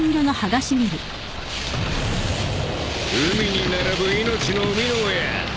海に並ぶ命の生みの親！